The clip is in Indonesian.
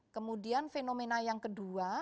kemudian fenomena yang kedua